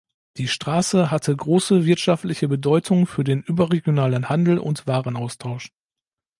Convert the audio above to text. Die Straße hatte große wirtschaftliche Bedeutung für den überregionalen Handel und Warenaustausch.